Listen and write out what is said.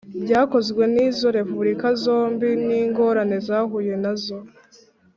byakozwe n'izo repubulika zombi, n'ingorane zahuye na zo